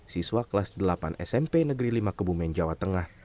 siswa kelas delapan smp negeri lima kebumen jawa tengah